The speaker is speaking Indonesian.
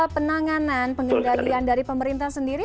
penanganan pengendalian dari pemerintah sendiri